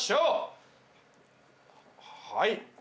はい。